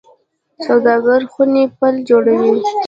سوداګرۍ خونې پل جوړوي